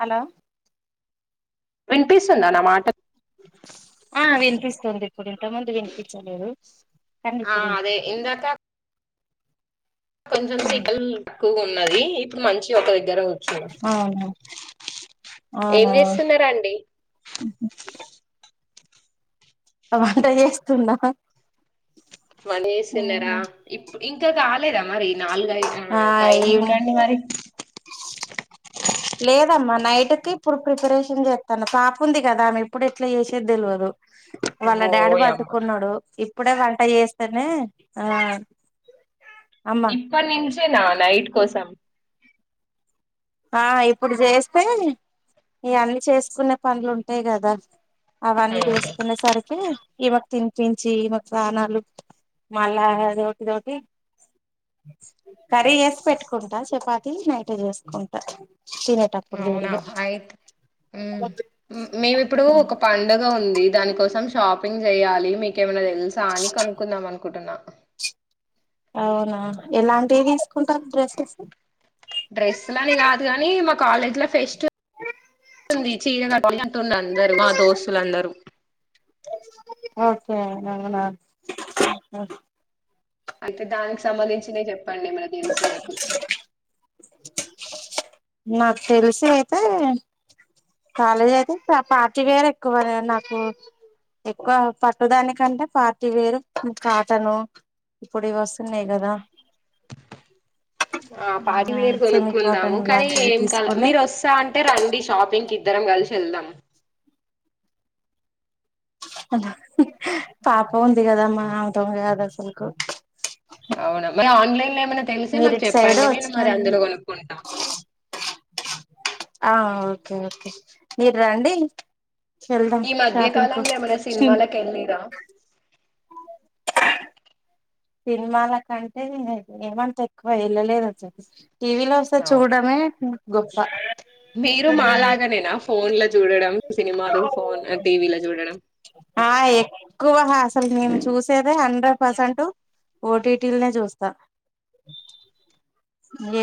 Hello వినిపిస్తుందా నా మాట ఆ వినిపిస్తుంది ఇప్పుడు ఇంతముందు వినిపించలేదు కానీ ఆ ఇప్పుడు అదే వినిపిస్తుంది ఇందాక కొంచెం సెకల్ ఎక్కువ ఉన్నది ఇప్పుడు మంచి ఒక దగ్గర ఉ చ అవునా ఏం అవునా చేస్తున్నారు అండి హ వంట చేస్తున్నా వంట చేస్తున్నారా ఇప్పు ఇంకా కాలేద మరి నాలుగు అయి ఆ టైం ఈవినింగ్ చూడండి మరి లేదమ్మా నైట్కి ఇప్పుడు ప్రిపరేషన్ చేస్తాన పాప ఉంది కదా ఆమె ఎప్పుడు ఎట్లా చేసేది తెలియదు వాళ్ళ డాడీ ఓయమ్మ పట్టుకున్నడు ఇ ఇప్పుడే వంట చేస్తేనే ఆ అమ్మా ఇప్పటి నుచ్చే నా నైట్ కోసం ఆ ఇప్పుడు చేస్తే ఇవన్నీ చేసుకునే పనులు ఉంటాయి కదా అవన్నీ ఉహు. చేసుకునేసరికి ఈమెకు తినిపించి, ఈమెకు సానాలు మళ్ళా అదొకటి ఇదికటి కర్రీ వేసి పెట్టుకుంటా చపాతి నైట్ చేసుకుంటా. స అవునా అయితే మేము ఇప్పుడు ఒక పండుగ ఉంది దానికోసం షాప్ షాపింగ్ చేయాలి మీకేమైనా నేను సార్ ని కనుకుందాం అనుకుంటున్నా. అవునా. ఎలాంటిఇతీసుకుంటారు డ్రెస్సెస్.. డ్రెస్లని కాదు కాని, మా కాలేజీ లో ఫెస్టివుంది, చీర కడుదాం అంటున్నారు. అందరూ మా దోస్తులుందరూ. ఓకే అవునా. అంటే దానికి సంబంధించిన చెప్ పండి మీది తెలుస్ మీకు. [inaudible] నాకు తెలుసి అయితే. కాలేజ్ అయితే పార్టీవేర్ ఎక్కువ నాకు, ఎక్కువ పట్టుదానికంటే పార్టీవేర్ కాటను, ఇప్పుడు ఇవి వస్తున్నాయి కదా. ఆ పార్టీవేర్ సెమీ కొనుక్కుందాము. కాటన్ కానీ లాంటివి ఏం కాదు, తీసుకొని మీరు వస్తా అంటే రండి షాపింగ్కి. ఇద్దరం కలిసి వెళ్దాం. పాప ఉంది కదమ్మా, ఆమెతో కాదు అసలుకు అవునా, మరి ఆన్ లైన్ లో ఏమైనా తెలిస్తే మీరు మాకు ఇటు సైడ్ చెప్పండి. నేను మరి వచ్చినండి అందులో కోనుక్కుంటా. ఆ ఓకే ఓకే మీరు రండి. వెళ్దాం ఈ షాపింగ్ కు మధ్యకాలంలో ఏమైనా సినిమాలకు ఏళ్ళిరా సినిమాల కంటే ఏమంతా ఏక్కువ ఎళ్ళలేదు అసలు. టీవీలో వస్తే అవును, చూడడమే గొప్ప మీరు మాలాగనేనా ఫోన్ లో చూడడం సినిమాలు, ఫోన్ టీవీలో చూడడం. ఆ ఎక్కువ అసలు మేము చూసేదే. హండ్రెడ్ పర్సెంట్ ఓటీటీలనే చూస్తా ఏ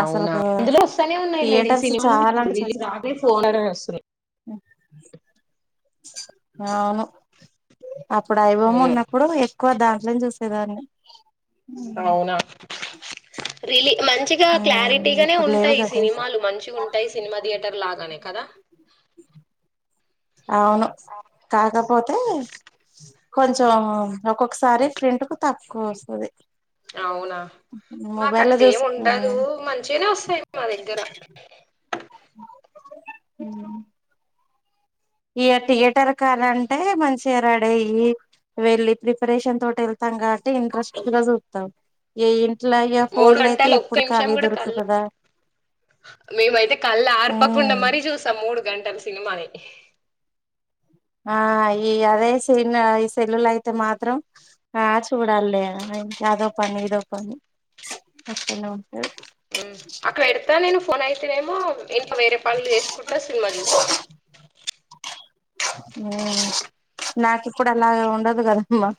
అవునా, ఇందులో వస్తానే ఉన్నాయి, లేడి థియేటర్స్ సినిమాలు చాలా అంటే చాలా తక్కువ. రావట్లే ఫోన్లనే వస్తున్నాయి. అవును. అప్పుడు ఐబొమ్మ ఉన్నప్పుడు ఎక్కువ దా. లొనే చూసేదాన్ని అవునా రియలీ. మంచిగా ఉమ్ క్లారిటీగానే ఇప్పుడు లేవు ఉంటాయి. కదా సినిమాలు మంచిగా ఉంటాయి. సినిమా థియేటర్ లాగానే కదా. అవును కాకపోతే. కొంచెం ఒక్కొక్కసారి ఫ్రింట్ కు తక్కువ వస్తది. అవునా. మాకు మొబైల్ లో అట్లా ఏమి చూసుకు ఉండదు. మంచిగానే వస్తాయి. మా దగ్గర హ ఇగా థియేటర్ కాడంటే మంచిగా రడిఅయి వెళ్ళి ప్రిపరేషన్ తోటి వెళ్తాం కాబట్టి ఇంట్రెస్ట్ గా చూత్తం. ఏ మూడు గంటలు ఒక్క నిమిషం కూడా కళ్ళు దొరుకుతదా మేమైతే కళ్ళు ఆర్పకుండా ఉమ్ మరీ చూసాం మూడు గంటలు సినిమాని ఆ ఈ అదే సినిమా ఈ సెల్లుల అయితే మాత్రం ఆ చూడాలి అదో పని ఇదో పని అంతే అక్కడ ఎడతా నేను ఫోన్ అయితేనేమో ఇంకా వేరే పనులు చేసుకుంటా సినిమా చూస్తా నాకిప్పుడు అలాగ ఉండదు కదమ్మా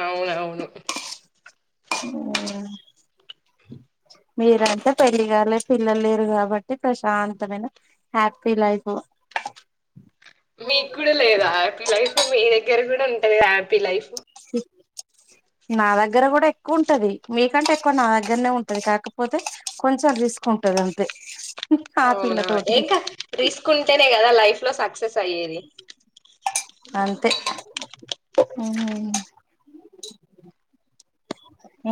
అవునవును మీరంటే పెళ్లి కాలే పిల్లలు లేరు కాబట్టి ప్రశాంతమైన హ్యాపీ లైఫ్ మీక్కుడ లేదా హ్యాపీ లైఫ్ మీ దగ్గర కూడా ఉంటుది హ్యాపీ లైఫ్ నా దగ్గర కూడా ఎక్కువ ఉంటది మీకంటే ఎక్కువ నా దగ్గరనే ఉంటది కాకపోతే కొంచెం రిస్క్ ఉంటది అంతే ఆ పిల్ల అవునా తోటి ఏంకాద్ రిస్క్ ఉంటేనే కదా లైఫ్ ట్లో సక్సెస్ అయ్యేది అంతే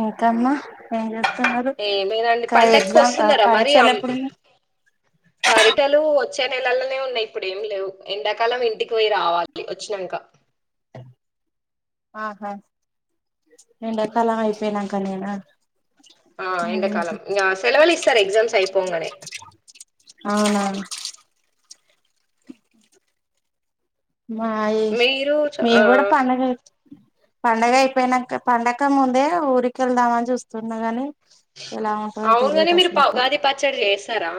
ఇంకమ్మా చేస్తున్నారు ఏమేనండి ఇంకా పండక్కు ఎగ్జామ్ వస్తున్నరా మరి పరీక్షలు అం ఎప్పుడు పరిటలు వచ్చే నెలల్లోనే ఉన్నాయి ఇప్పుడు ఏం లేవు ఎండాకాలం ఇంటికి పోయి రావాలి వచ్చినంక ఆహా ఎండకాలం అయిపోయినంక నేనా ఆ ఎండకాలం ఇగ సెలవలు ఇస్తారు ఎగ్జామ్స్ అయిపోంగనే అవునవును మయేష్ మీరు చ- మేం ఆ కూడా పండగల పండగ అయిపోయినంక పండక ముందే ఊరికెళ్దామని చూస్తున్నా గాని ఎలా ఉంటదో అవునుగనీ తెలీదు మీరు ప అసలుకు ఉగాది పచ్చడి చేస్తారా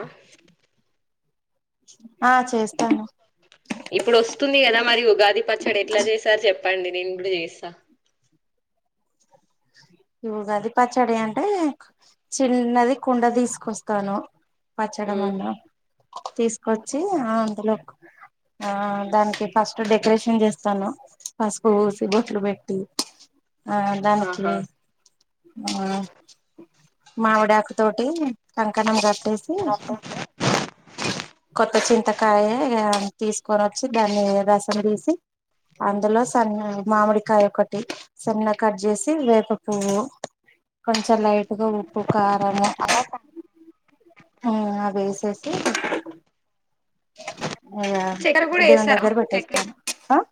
ఆ చేస్తాను ఇప్పుడు వస్తుంది కదా మరి ఉగాది పచ్చడి ఎట్లా చేసారు చెప్పండి నేను ఇప్పుడు చేస్తా ఇగా అది పచ్చడి అంటే చిన్నది కుండ తీసుకొస్తాను పచ్చడ ఉమ్, మందం తీసుకొచ్చి అందులో ఆ దానికి ఫస్ట్ డెకరేషన్ చేస్తాను పసుపు పూసి బొట్లు పెట్టి ఆ ఆహా ఆ మావిడాకు తోటి కంకణం గ ట్టేసి కొత్త చింతకాయ తీసుకోని వచ్చి దాన్ని రసం తీసి అందులో సగం మామిడికాయ ఒకటి సన్న కట్ చేసి వేప పువ్వు కొంచెం లైట్ ఉప్పు కారమే చేసి చక్కెర కూడా వేస్తారా దగ్గర పెట్టేస్తాను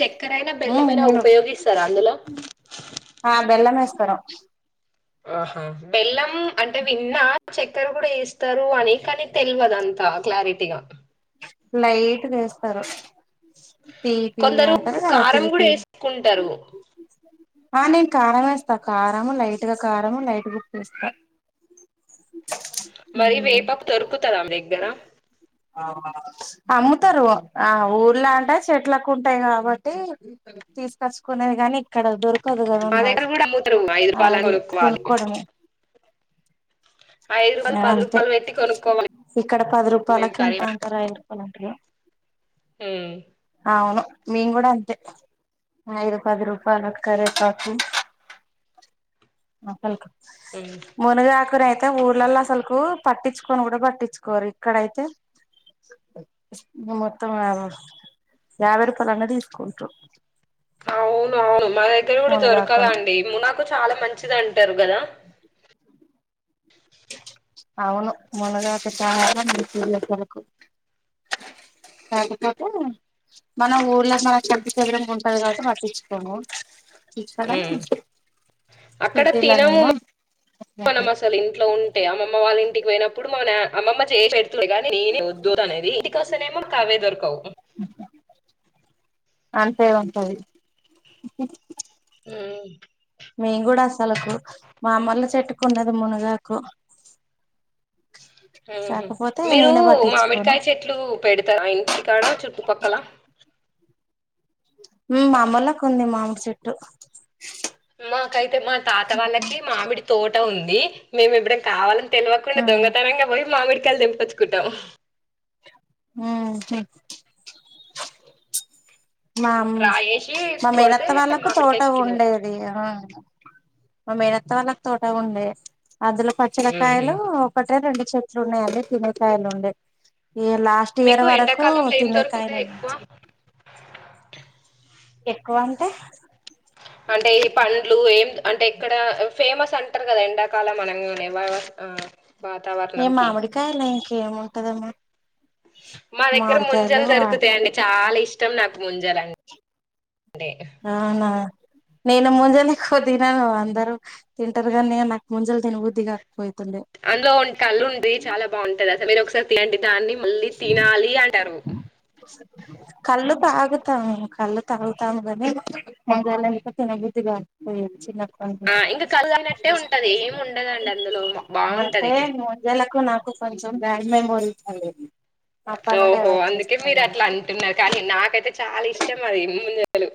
చక్కెర అయినా బెల్లమైనా నేను ఉపయోగిస్తారా అందులో ఆ బెల్లం ఏస్తరు ఆహా బెల్లం అంటే విన్నా చక్కెర కూడా వేస్త తారు అనేకనితె ల్వదంతా క్లారిటీగా లైట్ వేస్తారు తీపి కొందరు అంటారు కదా కారం గూడా తీపి వేసుకుంటారు ఆ నేను కారం ఏస్తా కారము లైట్ గా కారము లైట్ బుక్ చేస్తా మరి వేపాకు దొరుకుతారా మీ దగ్గర అమ్ముతారు ఆ ఊర్లా అంటా చెట్లకుంటాయి కాబట్టి తీసుకచ్చుకునేది కాని ఇక్కడ దొరుకు మా దగ్గర కూడా [unintelligible] ఐదు రూపాయలు కొనుక్కోవాలి కొనుక్కోవడమే ఐదు రూపాయలు, పది అంతే రూపాయలు పెట్టి కొనుక్కోవాలి ఇక్కడ పది రూపాయలకి ఎంత అంతారా [unintelligible] హు మీమ్ గూడా అంతే ఐదు పద్రూ కరిపకు మొక్కల్ హ్మ్. మునగాకు రై [unintelligible] పిల్లల్లో అసలుకు పట్టించుకొని కూడా పట్టించుకోరు ఇక్కడైతే మొత్తం యా యాభై రూపాయల అన్న తిసుకుంటురు అవును అవును మా దగ్గర గూడా మునగాకును దొరకదండి మునాకు చాలా మంచిది అంటారు గదా అవును ములగాక [unintelligible] కాకపోతే మన ఊర్లో మన [unintelligible] చదరం ఉంటది కాబట్టి పట్టించుకోము హు ఇక్కడ అక్కడ తినము సిటీలనేమో మనం అసలు ఇంట్లో ఉంటే అమ్మ వాళ్ళ ఇంటికి వోయినప్పుడు మనే మమ్మ చే పెట్ ఇంటికొస్తేనేమో కావే దొరకవ్ అంతే వస్తది హు మేంగూడస్ తలకు మా మంద చెట్టుకున్నది మునగా కూ మీరు పట్టించుకోను మామిడికాయ చెట్లు పెడతారా ఇంటికాడ చుట్టుపక్కల హు మా అమ్మలకు ఉంది మామిడి చెట్టు మాకైతే మా తాత వాళ్ళకి మామిడి తో ఉంది మేము ఇప్పుడే కావాల తెలివకుండా ఉమ్ దొంగతనంగా బోయి మామిడికాయలు దెంపచ్చు కుంటాంము అ చెప్ మామ్ రాయేసి మా కొడితే మేనత్త వాళ్ళకు తోట మామిడికాయ కింద పడతాయి ఉండేది మ మేడత్త వాళ్ళకి తోటగాండే అందులో ఉహు పచ్చలకాయలు ఒకటే రెండు త్రన్నా అదే తిన్నకయలుంది ఈ లాస్ట్ ఇయర్ మీకు వరకు ఎండాకాలంలో ఏం తినేకాయలు దొరుకుతాయి ఎక్కువ ఎక్కువ అంటే అంటే ఈ పండ్లు ఏం అంటే ఇక్కడ ఫేమస్ అంటారు కదా ఎండాకాలం మనంగానే వ ఏ మామిడికాయాల ఏము ఉంటందమ్మా మా దగ్గర ముంజలు దొరుకుతాయండి చాలా ఇష్ట ఇష్టం నాకు ముంజరండి అే అవునా నేను ముంజలు ఎక్కువ తినను అందరూ తింటారు కానీ నాకు ముంజలు తినబద్దిగా అందులో కళ్ళు ఉంది చాలా బాగుంటుది అస మీరు ఒకసారి తీయ దాన్ని మళ్ళీ తినాలి అంటారు కళ్ళు తాగుతాము కళ్ళు తాగుతాము గగాని ఇకా చిన్న బద్ధగా చిన్న ఆ ఇంకా కలు అనట్టే ఉంటది ఏమి ఉండదండి అందులో అంటే బాగుంటది ముంజలకు నాకు కొంచెం బ్యాడ్ మెమోరీస్ అండది ఓహో అందుకే మీరు అట్లా అంటున్నారు కానీ నాకైతే చాలా ఇష్టం అది ముందు హలో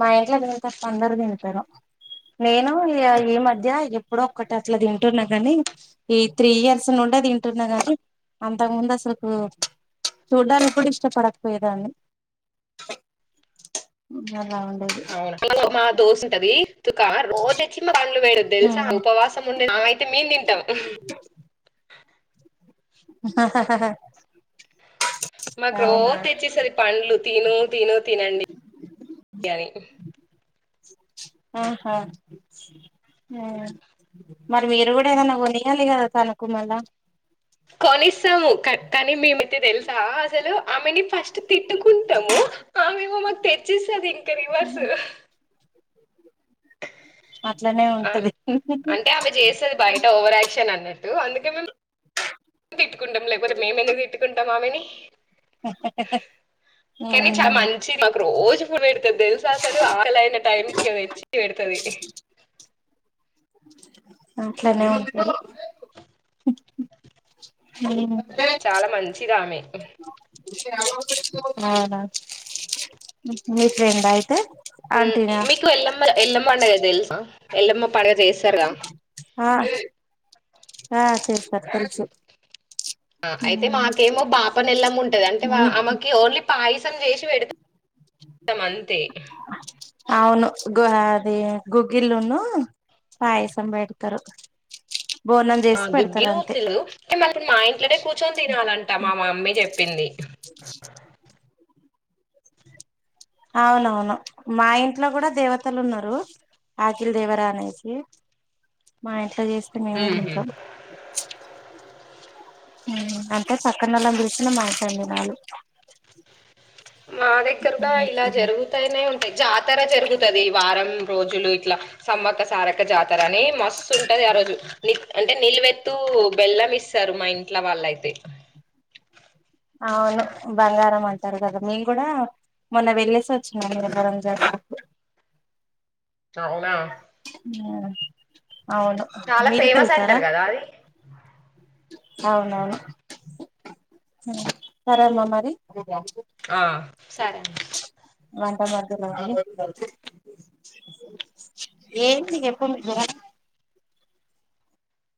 మా ఇంట్లో నేను తప్ప అందరు తింటను నేను ఈ మధ్య ఎప్పుడో ఒక్కటి అట్లా తింటున్నా కాని ఈ త్రీ ఇయర్స్ నుండి తింటున్నా గాని అంతకు ముందు అసలుకు చూడ్డానికి కూడా ఇష్టపడకపోయేదాన్ని అ అవును మా దోశ ఉంటది త క రోజ ఎ పండ్లు వేడదు తెలుసా ఉమ్ ఉపవాసం ఉండే అయితే మే తింటాం ఆ మాకు రోజ తెచ్చేసది పండ్లు తిను తిను తినండి బిర్ని ఆహా మరి మీరు కూడా ఏదనా కొనియాలి కదా తనుకు మళ్ళా కొనిస్తాము కా- కానీ మేమయితే తెలుసా అసలు ఆమెని ఫస్ట్ తిట్టుకుంటాము ఆ మేమో మాకు తెచ్చిస్తుంది ఇంకా రివర్స్ అట్లనే ఉంటది అంటే ఆమె చేసేది బయట ఓవర్ క్షన్ అన్న అందుకే మేము తిట్టుకుంటాం లేకపోతే మేము ఎందుకు తిట్టుకుంటాం ఆమెని కానీ చాలా ఉమ్ మంచి మాకు రోజు పెడుతుది తెలుసాసలు ఆలైన టైంకి అది తెచ్చి పెడతుది అట్లనే ఉంటారు ఉమ్ చాలా మంచిది ఆమె అవునా మీ ఫ్రెం అయితే ఆంటీనా మీకు వెళ్ళ మరి ఎల్మ్మండగ తెలుసా ఎల్ పడుగ చేస్తారుగా ఆ ఆ సే సార్ తెచు అయితే మాకేమో పాప నెల్లం ఉంటది అంటే ఆమెకి ఓన్లీ పయసం చేసి పెడుత మంత అవును గు అది గుగిలును పాయసం బేడ్కరు ఆ గుగ్గిలుతుదు మళ మా ఇంట్లోనే కూర్చొని తినాలంట మా మమ్మీ చెప్పింది అవునవును మా ఇంట్లో కూడా దేవతలు ఉన్నారు ఆకిల్ దేవరా అనేసి మా ఇట్ చేస్తే మేమే ఉహు. చంచాం అంతే చక్క నళ్లం చూసిన మాంచండినాలుు మా దగ్గర కూడా ఇలా జరుగుతానే ఉంటాయి జాతర జరుగుతుది వారం రోజులు ఇట్లా సమ్మక సారక జాతర అని మస్తు ఉంటది ఆ రోజు ని అంటే నిల్వెత్తుూ బెల్లం ఇస్తారు మా ఇంట్ల వాళ్ళయితే అవును బంగారం అంటారు కదా మేము కూడా మొన్న వెళ్ళేసి వచ్చినంవరం జాగ చవాల ఆ చాలా ఫేమస్ అంటారు కదా అది అవునవును పరాలమా మరి ఆ సరే అండి మంట మతు ఏంటి ఎప్ప మీ